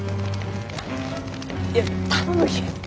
いや頼むき。